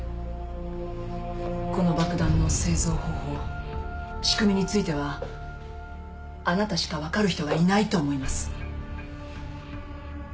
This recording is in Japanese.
この爆弾の製造方法仕組みについてはあなたしか分かる人がいないと思います。